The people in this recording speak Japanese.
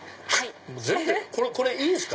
これいいんすか？